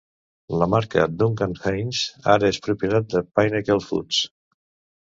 La marca Duncan Hines ara és propietat de Pinnacle Foods.